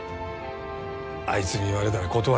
あいつに言われたら断れない。